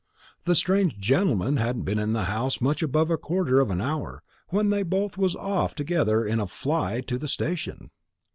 The strange gentleman hadn't been in the house much above a quarter of an hour, when they was both off together in a fly to the station."